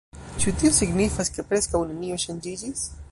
Ĉu tio signifas, ke preskaŭ nenio ŝanĝiĝis?